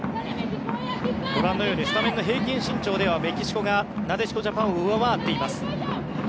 ご覧のようにスタメンの平均身長ではメキシコがなでしこジャパンを上回っています。